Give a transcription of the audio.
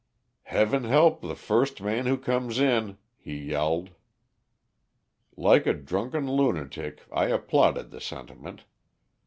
"'Heaven help the first man who comes in!' he yelled. "Like a drunken lunatic, I applauded the sentiment.